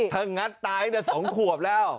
ถ้างัดตายก็เดี๋ยวสองขวบแล้ว